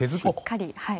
しっかり。